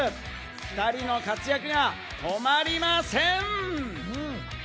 ２人の活躍が止まりません。